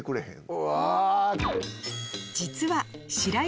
うわ！